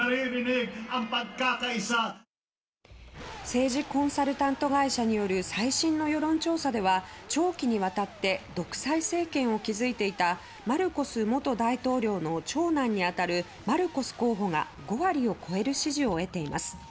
政治コンサルタント会社による最新の世論調査では長期にわたって独裁政権を築いていたマルコス元大統領の長男に当たるマルコス候補が５割を超える支持を得ています。